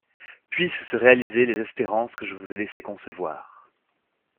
Puissent se réaliser les espérances que je vous ai laissé concevoir!